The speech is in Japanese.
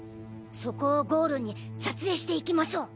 そこをゴールに撮影していきましょう！